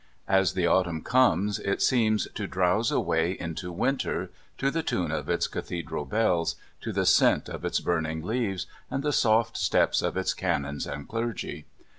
As the autumn comes it seems to drowse away into winter to the tune of its Cathedral bells, to the scent of its burning leaves and the soft steps of its Canons and clergy.